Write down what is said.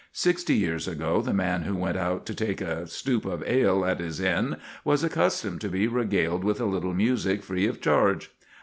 Sixty years ago the man who went out to take a stoup of ale at his inn was accustomed to be regaled with a little music free of charge.